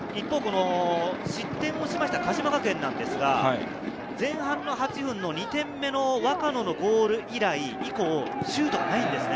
失点をした鹿島学園は、前半８分の２点目の若野のゴール以来、シュートがないんですよね。